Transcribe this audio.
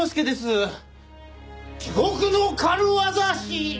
地獄の軽業師！